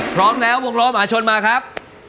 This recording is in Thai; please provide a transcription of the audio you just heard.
พร้อมแล้ววงล้อมหาชนมาครับ